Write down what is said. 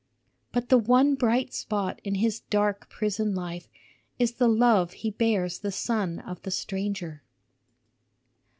"But the one bright spot in his dark prison life is the love he bears the son of the stranger."